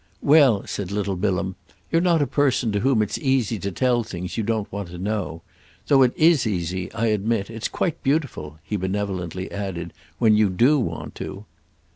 "Well," said little Bilham, "you're not a person to whom it's easy to tell things you don't want to know. Though it is easy, I admit—it's quite beautiful," he benevolently added, "when you do want to."